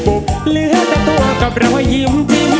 ปุ๊บเหลือแต่ตัวกับเรายิ้มจริง